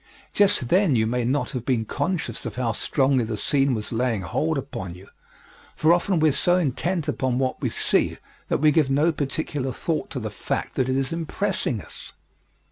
Just then you may not have been conscious of how strongly the scene was laying hold upon you, for often we are so intent upon what we see that we give no particular thought to the fact that it is impressing us.